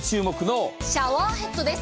佐藤かにシャワーヘッドです。